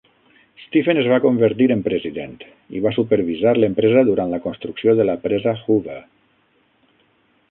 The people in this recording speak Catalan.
Stephen es va convertir en president i va supervisar l'empresa durant la construcció de la presa Hoover.